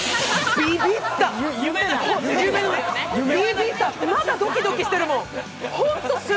ビビった、まだドキドキしてるもん。